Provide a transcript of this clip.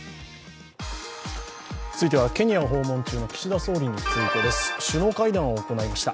続いてはケニアを訪問中の岸田総理についてです。首脳会談を行いました。